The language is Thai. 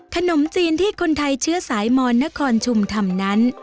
ขนมจีนที่คนไทยเชื้อสายมอนนครชุมทำนั้น